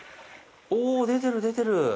おぉ、出てる、出てる！